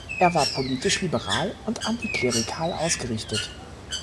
Er war politisch liberal und antiklerikal ausgerichtet.